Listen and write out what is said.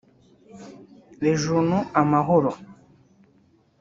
Le Journal Amahoro